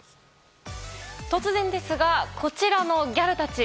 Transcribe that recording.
突然ですがこちらのギャルたち。